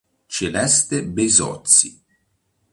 Celeste Besozzi.